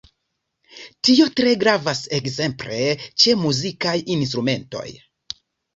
Tio tre gravas ekzemple ĉe muzikaj instrumentoj.